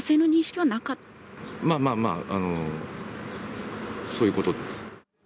まあまあまあ、そういうことです。